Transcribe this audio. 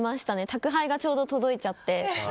宅配がちょうど届いちゃって。